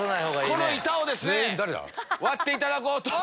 この板を割っていただこうと。